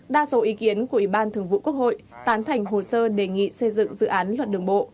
đa số ý kiến của ủy ban thường vụ quốc hội tán thành hồ sơ đề nghị xây dựng dự án luật đường bộ